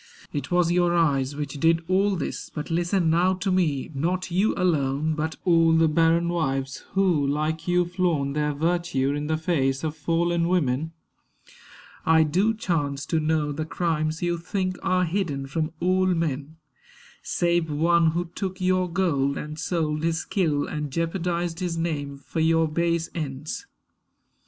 It was your eyes Which did all this. But listen now to me (Not you alone, but all the barren wives Who, like you, flaunt their virtue in the face Of fallen women): I do chance to know The crimes you think are hidden from all men (Save one who took your gold and sold his skill And jeopardized his name for your base ends).